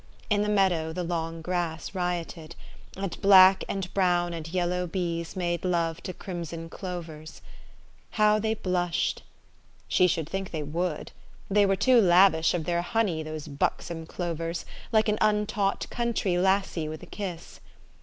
In the meadow the long grass rioted ; and black and brown and yellow bees made love to crimson clovers. How they blushed ! She should think they would. They were too lavish of their honey, those buxom clovers, like an untaught country lassie with a kiss.